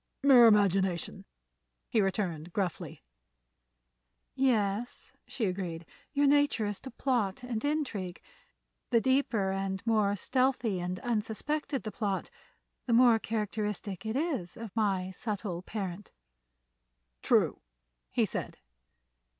"Mere imagination," he returned, gruffly. "Yes," she agreed; "your nature is to plot and intrigue. The deeper, the more stealthy and unsuspected the plot, the more characteristic is it of my subtle parent." "True," he said.